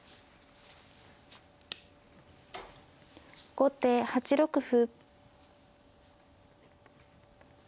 後手８六歩。